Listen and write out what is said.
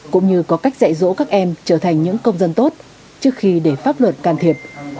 cũng như có cách dạy dỗ các em trở thành những công dân tốt trước khi để pháp luật can thiệp